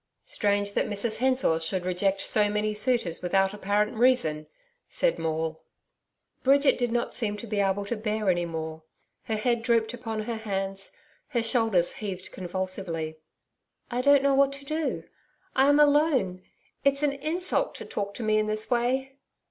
'Strange that Mrs Hensor should reject so many suitors without apparent reason,' said Maule. Bridget did not seem able to bear any more. Her head drooped upon her hands, her shoulders heaved convulsively. 'I don't know what to do I am alone. It's an insult to talk to me in this way.'